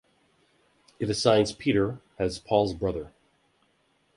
It assigns Peter as Paul's brother.